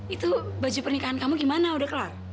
itu baju pernikahan kamu gimana udah kelar